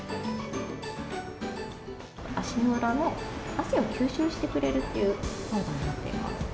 足の裏の汗を吸収してくれるっていうパウダーになっています。